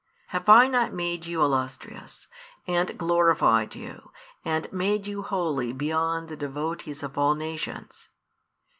Have I not made you illustrious, and glorified you, and made you holy beyond the devotees of all nations?